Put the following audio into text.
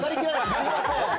すみません。